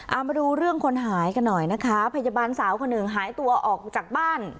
เอามาดูเรื่องคนหายกันหน่อยนะคะพยาบาลสาวคนหนึ่งหายตัวออกจากบ้าน